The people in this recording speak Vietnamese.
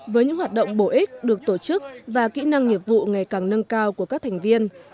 với những hoạt động bổ ích được tổ chức và kỹ năng nghiệp vụ ngày càng nâng cao của các thành viên